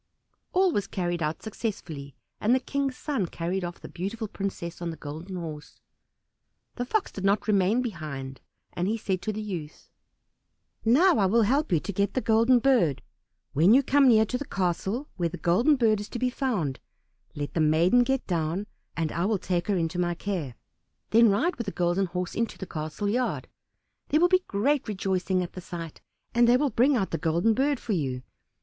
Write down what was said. All was carried out successfully, and the King's son carried off the beautiful princess on the Golden Horse. The Fox did not remain behind, and he said to the youth, "Now I will help you to get the Golden Bird. When you come near to the castle where the Golden Bird is to be found, let the maiden get down, and I will take her into my care. Then ride with the Golden Horse into the castle yard; there will be great rejoicing at the sight, and they will bring out the Golden Bird for you.